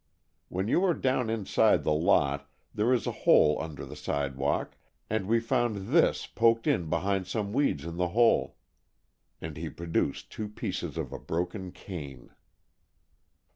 When you are down inside the lot there is a hole under the sidewalk, and we found this poked in behind some weeds in the hole." And he produced the two pieces of a broken cane.